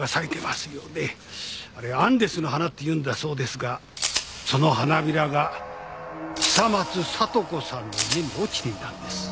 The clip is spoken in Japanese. あれアンデスの花というんだそうですがその花びらが久松聡子さんの家に落ちていたんです。